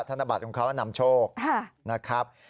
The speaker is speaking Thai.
ธนบัตรของเขานำโชคนะครับ